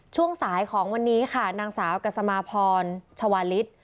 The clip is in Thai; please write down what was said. ช่วงสายของวันนี้ค่ะนางสาวกัสมาพรชวาลิศ